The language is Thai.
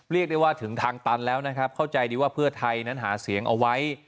เรียกได้ว่าถึงทางตันแล้วนะครับเข้าใจดีว่าเพื่อไทยนั้นหาเสียงเอาไว้